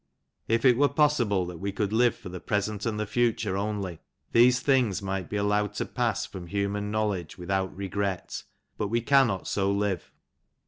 If it were possible that we oonld live for the present and the fdtoro only, these things might be allowed to pass from human knowledge without regret, but we cannot so live.